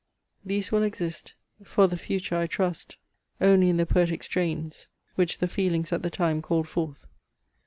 These will exist, for the future, I trust, only in the poetic strains, which the feelings at the time called forth.